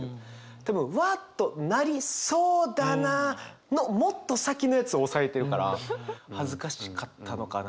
多分わあっとなりそうだなのもっと先のやつを抑えてるから恥ずかしかったのか何なのか。